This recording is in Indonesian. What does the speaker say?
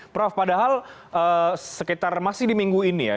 prof padahal sekitar masih di minggu ini ya